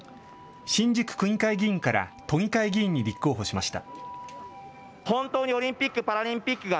新宿区議会議員から都議会議員に立候補しました。